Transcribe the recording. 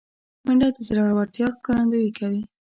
منډه د زړورتیا ښکارندویي کوي